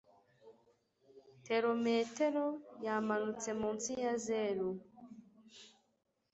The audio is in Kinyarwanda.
Therometero yamanutse munsi ya zeru.